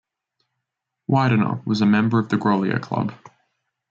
Widener was a member of the Grolier Club.